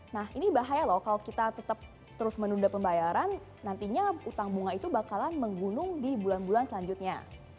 nah ini bahaya loh kalau kita tetap terus menunda pembayaran nantinya utang bunga itu bakalan menggunung di bulan bulan selanjutnya